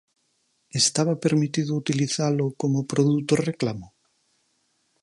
¿Estaba permitido utilizalo como produto reclamo?